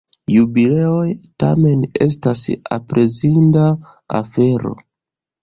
Jubileoj, tamen, estas aprezinda afero.